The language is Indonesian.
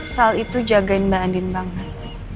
sal itu jagain mbak andin banget